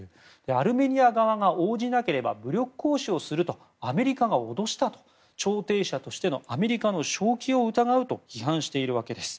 アルメニア側が応じなければ武力行使をするとアメリカが脅したと調停者としてのアメリカの正気を疑うと批判しているわけです。